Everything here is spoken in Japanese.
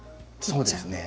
そうですね。